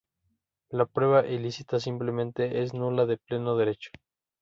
La prueba ilícita simplemente es nula de pleno derecho.